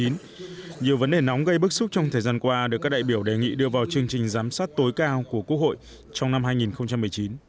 nhiều vấn đề nóng gây bức xúc trong thời gian qua được các đại biểu đề nghị đưa vào chương trình giám sát tối cao của quốc hội trong năm hai nghìn một mươi chín